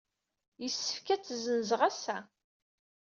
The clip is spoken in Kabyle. Yessefk ad tt-ssenzeɣ ass-a.